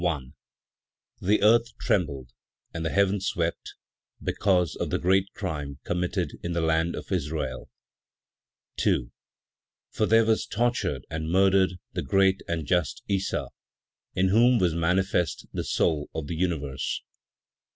The earth trembled and the heavens wept, because of the great crime committed in the land of Israel. 2. For there was tortured and murdered the great and just Issa, in whom was manifest the soul of the Universe; 3.